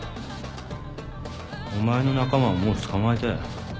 お前の仲間はもう捕まえたよ。